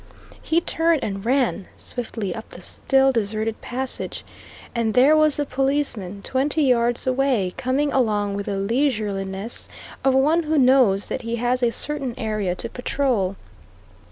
He turned and ran swiftly up the still deserted passage. And there was the policeman, twenty yards away, coming along with the leisureliness of one who knows that he has a certain area to patrol.